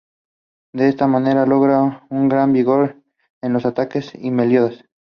De esta manera logra un gran vigor en los ¨ataques¨ y melodías.